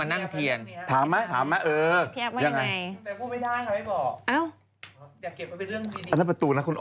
นั่งไม่ต้องนั้น